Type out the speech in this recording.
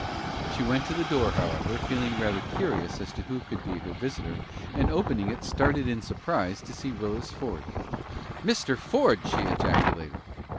She went to the door, however, feeling rather curious as to who could be her visitor, and on opening it started in surprise to see Willis Ford. "Mr. Ford!" she ejaculated.